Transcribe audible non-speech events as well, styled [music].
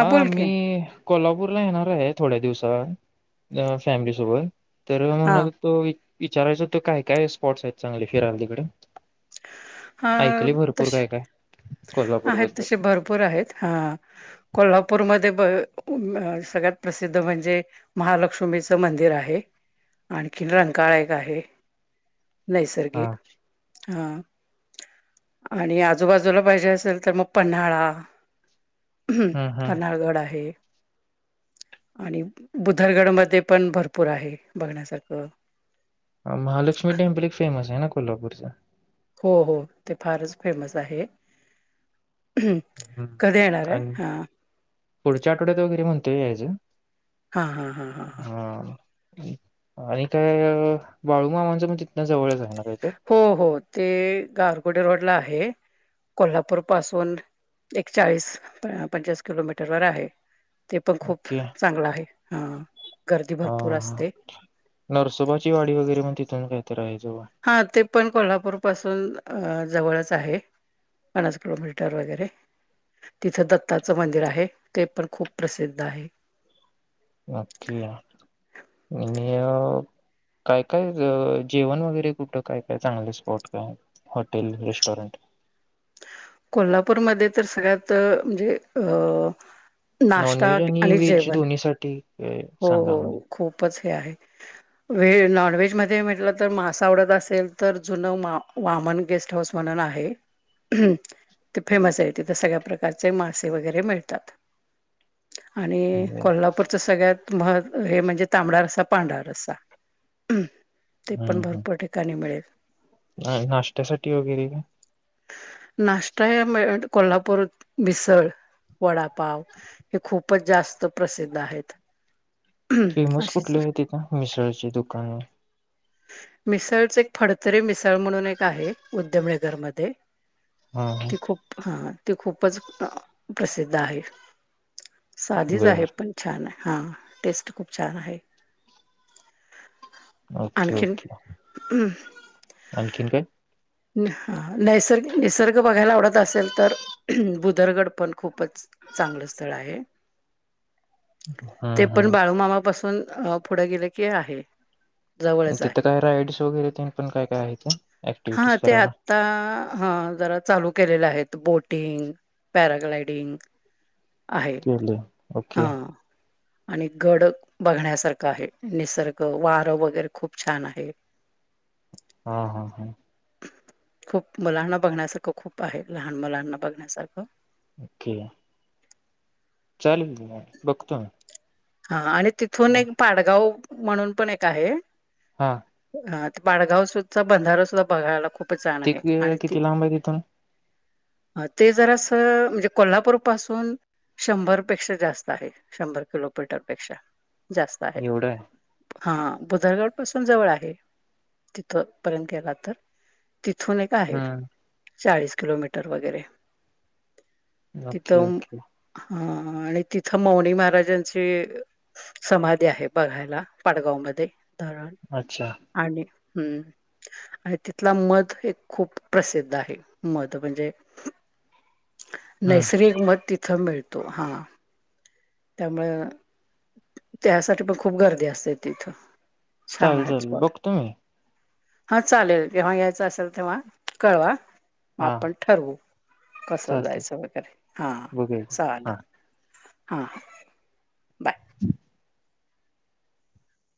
हा बोल मी की कोल्हापूरला येणार आहे थोड्या दिवसात फॅमिलीसोबत तर हा म्हणत तो विचारायच त काय काय स्पॉटस आहेत चांगले फिराय तिकडे हा ऐकले भरपूर तश काय काय कोल्हापूर आहेत बद्दल तसे भरपूर आहेत हा कोल्हापूरमध्येध्ये सगळ्यात प्रसिद्ध म्हणजे महालक्ष्मीचं मंदिर आहे आणखीन रंगकाळा एक आहे हा नैसर्गिक हा आणि आजूबाजूला पाहिजे असेल तर मग पन्हाळा ह् हम्म हम्म पन्हाळगड आहे [unintelligible] आणि बुधरगड मध्ये पण भरपूर आहे बघण्यासारखं महालक्ष्मी टेम्पल एक फेमस आहे ना कोल्हापूरचा हो हो ते फारच फेमस आहे हम्म कधी येणार हम्म आणि आहे हा पुढच्या आठवड्यात वगैरे म्हणतोय याचं हा हा हा हा हा आणि काय बाळूमामांचं पण तिथन जवळच आहे ना काय हो हो ते गारगुडी रोडला आहे कोल्हापूर पासून एकचाळीस पंचस किलोमीटरवर आहे ते पण खूप ओके चांगलं आहे ह हा नरसोबाची वाडी वगैरे मण तिथून काहीत आहे जवळ हा ते पण कोल्हापूर पासून जवळच आहे पन्नास किलोमीटर वगैरे तिथं दत्ताचं मंदिर आहे ते पण खूप प्रसिद्ध आहे क इन [unintelligible] काय काय जेवण वगैरे कुठं काय काय चांगले स्पॉट काय हॉटेल रेस्टॉरंट [unintelligible] कोल्हापूरमध्ये तर सगळ्यात म्हणजे अ नाश्ता नॉनव्हेज आणि व्हेज जेवण दोन्हीसाठी अ, हो सांगा म्हणजे. हो खूपच व नॉनव्हेज मध्ये म्हटलं तर मास आवडत असेल तर जुन मा मन गेस्ट हाऊस म्हणण आहे हम ते फेमस आहे तिथं सगळ्या प्रकारचे मासे वगैरे मिळतात आणि बरं. कोल्हापूरचं सगळ्यात म हे म्हणजे तांबडा रस्सा पांढरा रस्सा ते पण हं, हं. भरपूर ठिकाणी मिळेल अ, नाश्त्यासाठी वगैरे काय? नष्टा कोल्हापूरात भीसळ वडापाव हे खूपच जास्त प्रसिद्ध आहेत फेमस अशीच कुठले आहे तिथं मिसळचे दुकान आहे मिसळच एक फडतरी मिसळ म्हणून एक आहे उद्यमनगरमध्येध्ये हां, हां. ती खूप हा ती खूपच प्रसिद्ध आहे साधीच बरं. आहे पण छान आहे हा टेस्ट खूप छान आहे आण ओके, आणखीन ओके. आणखीन काय? ह नैसर्ग निसर्ग बघायला आवडत असेल तर बुदरगड पण खूप खूपच चांगलं स्थळ आहे ते हं, पण हं. बाळूमामापासून पुढे गेले की आहे जवळच तिथं आहे काय राईड्स वगैरे तेन पण काय काय आहे का? हा ऍक्टिव्हिटीज ते करायला? आता ह ज चालू केले आहेत बोटिंग पॅराग्लायडिंग तेले हा आणि गड बघण्यासारखं आहे निसर्ग वारं वगैरे खूप छान आहे हा हा हा खूप मुलांना बघण्यासारखं खूप आहे लहान मुलांना बघण्यासारखं ओके चालेल बघतो हा आणि तिथून एक पाडगाव म्हणून पण एक आहे हां. ह बाडगावचा बंधारा सुद्धा बघायला खूप छान ते आहे क आणि त किती लांब आहे तिथून? ते जर असं म्हणजे कोल्हापूर पासून शंभरपेक्षा जास्त आहे शंभर किलोमीटरपेक्षा जास्त आहे हा बुधरगड पासून जवळ आहे तिथ पर्यंत गेला तर तिथून एक आहे हं. चाळीस किलोमीटर वगैरे ओके तिथं ओके हा आणि तिथं मौनी महाराजां समाधी आहे बघायला पाडगाव मध्ये धरण अच्छा आणि आणि तिथला मध एक खूप प्रसिद्ध आहे मध म्हणजे हम्म नैसर्गिक मद तिथं मिळतो हा त्यामुं त्यासाठी पण खूप गर्दी असते तिथं छान चाले आहेत चाल स्पॉट बघतो मी हा चालेल जेव्हा यायचं असेल तेव्हा, कळवा मग हा आपण ठरवू. कसं चालते जायचं वगैरे, हा बघूया हा चालेल. हां, बाय. [inaudible]